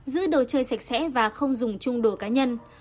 giữ đồ chơi sạch sẽ và không dùng chung đồ cá nhân